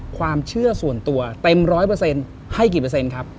ความเชื่อส่วนตัวเต็มร้อยเปอร์เซ็นต์ให้กี่เปอร์เซ็นต์ครับ